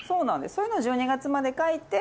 そういうのを１２月まで書いて。